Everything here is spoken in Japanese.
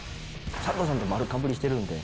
サンドさんと丸かぶりしてるんで。